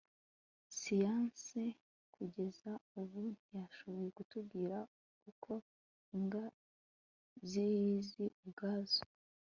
siyanse kugeza ubu ntiyashoboye kutubwira uko imbwa ziyizi ubwazo